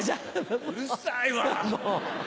うるっさいわ！